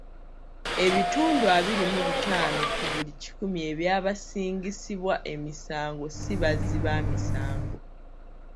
Ebitundu abiri mu bitaano ku buli kikumi eby'abasingisibwa emisango si bazzi ba misango.